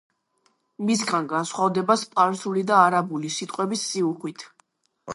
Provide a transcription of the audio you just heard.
მისგან განსხვავდება სპარსული და არაბული სიტყვების სიუხვით.